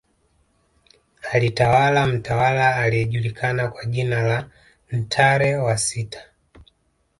Alitawala mtawala aliyejulikana kwa jina la Ntare wa sita